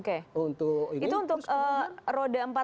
itu untuk roda empat dan roda dua